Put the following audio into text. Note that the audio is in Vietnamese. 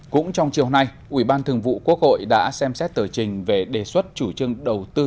cũng trong chiều nay ủy ban thường vụ quốc hội đã xem xét tờ trình về đề xuất chủ trương đầu tư